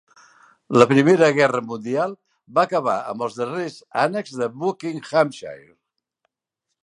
La Primera Guerra Mundial va acabar amb els darrers ànecs de Buckinghamshire.